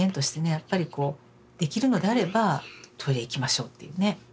やっぱりこうできるのであればトイレ行きましょうっていうね。